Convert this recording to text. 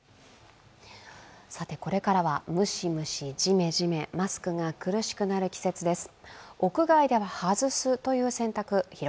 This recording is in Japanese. これからはムシムシ、ジメジメマスクが苦しくなる季節です。